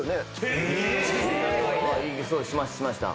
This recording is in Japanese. しました。